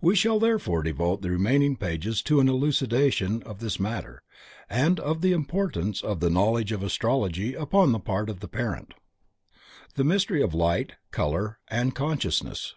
We shall therefore devote the remaining pages to an elucidation of this matter and of the importance of the knowledge of astrology upon the part of the parent. _The Mystery of Light, Color and Consciousness.